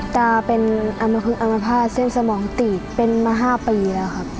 ตาเป็นอามภาพเส้นสมองตีดเป็นมา๕ปีแล้วครับ